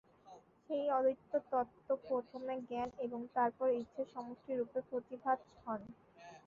সেই অদ্বৈত-তত্ত্ব প্রথমে জ্ঞান এবং তারপর ইচ্ছার সমষ্টিরূপে প্রতিভাত হন।